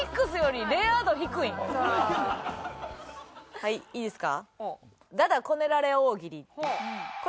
はいいいですか？